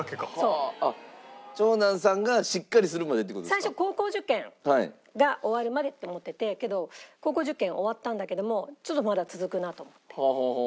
最初高校受験が終わるまでって思っててけど高校受験終わったんだけどもちょっとまだ続くなと思って。